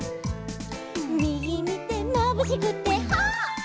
「みぎみてまぶしくてはっ」